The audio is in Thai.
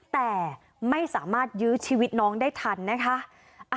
แต่ไม่สามารถยื้อชีวิตน้องได้ทันนะคะ